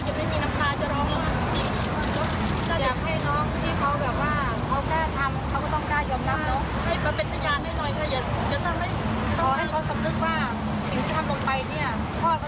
ให้มันเป็นทะยานให้หน่อยค่ะ